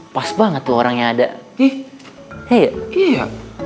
pas banget orangnya ada di iya